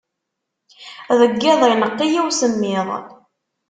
Deg yiḍ, ineqq-iyi usemmiḍ.